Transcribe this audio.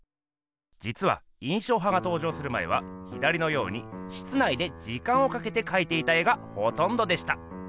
じつは印象派が登場する前は左のように室内で時間をかけてかいていた絵がほとんどでした。